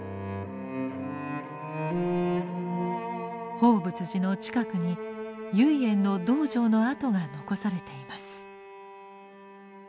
報佛寺の近くに唯円の道場の跡が残されています。